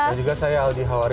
dan juga saya aldi hawari